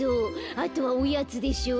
あとはおやつでしょ。